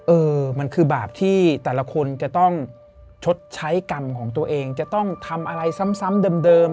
เออมันคือบาปที่แต่ละคนจะต้องชดใช้กรรมของตัวเองจะต้องทำอะไรซ้ำเดิม